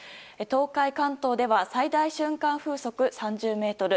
東海・関東では最大瞬間風速３０メートル。